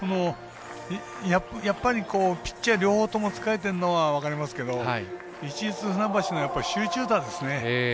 やっぱり、ピッチャー両方とも疲れてるのは分かりますけど、市立船橋の集中打ですね。